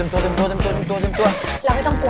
เราไม่ต้องกลัวหรอกเราไม่ต้องกลัว